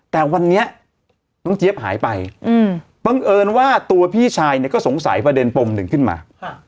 แต่วันนี้น้องเจี๊ยบหายไปบังเอิญว่าตัวพี่ชายเนี่ยก็สงสัยประเด็นปมหนึ่งขึ้นมา